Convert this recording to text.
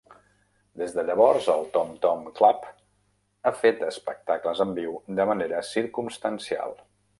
Des de llavors, el Tom Tom Club ha fet espectacles en viu de manera circumstancial.